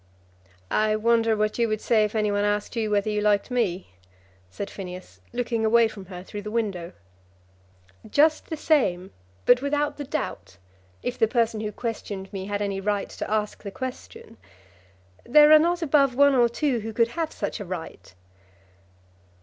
"I wonder what you would say if any one asked you whether you liked me," said Phineas, looking away from her through the window. "Just the same; but without the doubt, if the person who questioned me had any right to ask the question. There are not above one or two who could have such a right."